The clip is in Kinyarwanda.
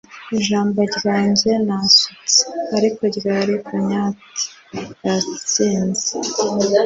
Ijambo ryanjye nasutse. Ariko byari cognate, yatsinze